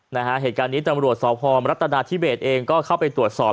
นะฮะเหตุการณ์นี้ตำรวจสพรัฐนาธิเบสเองก็เข้าไปตรวจสอบ